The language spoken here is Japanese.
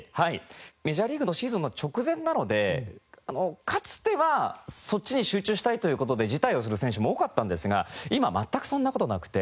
メジャーリーグのシーズンの直前なのでかつてはそっちに集中したいという事で辞退をする選手も多かったんですが今全くそんな事なくて。